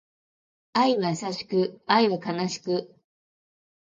愛は優しく、愛は悲しく